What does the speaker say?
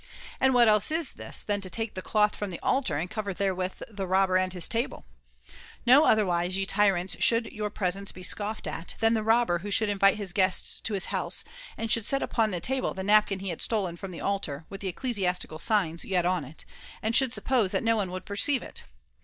And what else is this than to take the cloth from the altar and cover therewith the robber and his table ? No other wise ye tyrants should your presents be scoffed at than the robber who should invite his guests to his house [ and should set upon the table the napkin he had stolen from the altar with the ecclesiastical signs yet on it, and should suppose that no one would perceive it.